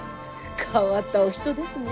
変わったお人ですね。